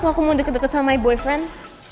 kalo aku mau deket deket sama boyfriend